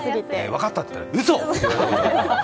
分かったって言ったらウソ！って言われた。